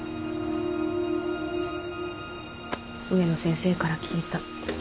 植野先生から聞いた。